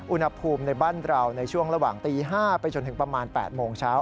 อุณหภูมิในบ้านเราในช่วงระหว่างตี๕ไปจนถึงประมาณ๘โมงเช้า